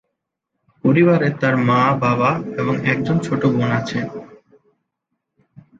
পরিবারে তাঁর মা, বাবা এবং একজন ছোট বোন আছেন।